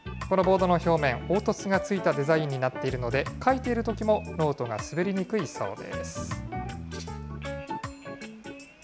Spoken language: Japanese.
このボードの表面、凹凸のついたデザインになっているので、書いているときも、ノートが滑りにくいそうです。